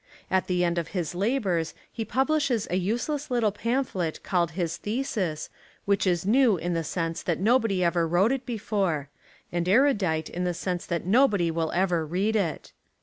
At the end of his labours he publishes a useless little pamphlet called his thesis which is new in the sense that nobody ever wrote it before, 77. Essays and Literary Studies and erudite in the sense that nobody will ever read it.